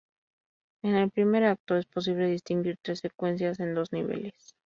En el primer acto es posible distinguir tres secuencias en dos niveles.